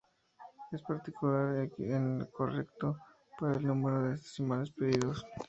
En particular, "x" es correcto para el número de decimales pedidos.